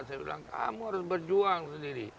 saya bilang kamu harus berjuang sendiri